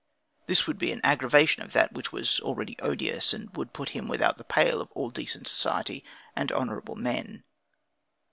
This would be an aggravation of that which was already odious, and would put him without the pale of all decent society and honorable men.